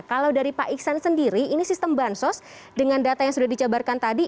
kalau dari pak iksan sendiri ini sistem bansos dengan data yang sudah dijabarkan tadi